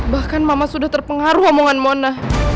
bahkan mama sudah terpengaruh omongan mona